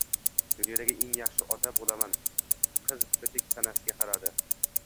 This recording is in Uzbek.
Dunyodagi eng yaxshi ota boʻlaman… Qiz bitik sanasiga qaradi